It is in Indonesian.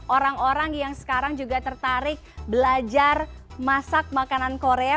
orang orang yang sekarang juga tertarik belajar masak makanan korea